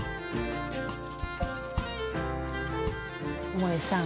もえさん